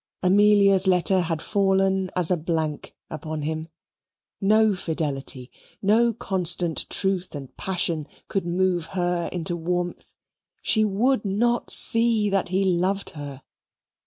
Amelia's letter had fallen as a blank upon him. No fidelity, no constant truth and passion, could move her into warmth. She would not see that he loved her.